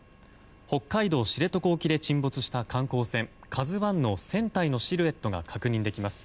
北海道知床沖で沈没した観光船「ＫＡＺＵ１」の船体のシルエットが確認できます。